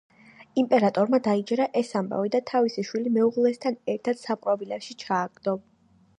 იმპერატორმა დაიჯერა ეს ამბავი და თავისი შვილი, მეუღლესთან ერთად, საპყრობილეში ჩააგდო.